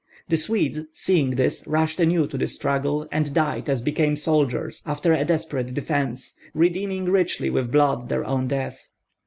The Swedes, seeing this, rushed anew to the struggle, and died as became soldiers after a desperate defence, redeeming richly with blood their own death.